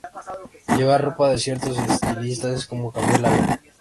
Llevar ropa de ciertos estilistas es como cambiar de vida.